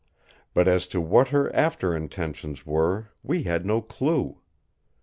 But as to what her after intentions were we had no clue.